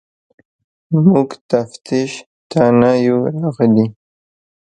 موږ تفتیش ته نه یو راغلي.